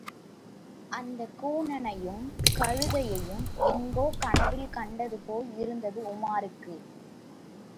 அந்தக் கூனனையும், கழுதையையும் எங்கோ கனவில் கண்டது போல் இருந்தது உமாருக்கு.